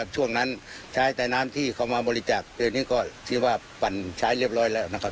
ช่วงนั้นใช้แต่น้ำที่เขามาบริจาคตัวนี้ก็ถือว่าปั่นใช้เรียบร้อยแล้วนะครับ